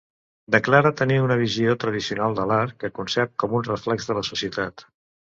Declara tenir una visió tradicional de l'art, que concep com un reflex de la societat.